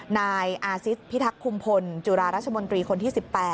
นายอาซิสพิทักษุมพลจุฬาราชมนตรีคนที่๑๘